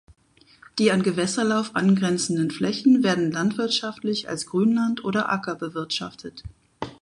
Die an Gewässerlauf angrenzenden Flächen werden landwirtschaftlich als Grünland oder Acker bewirtschaftet.